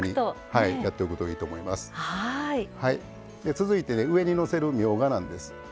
続いてね上にのせるみょうがなんです。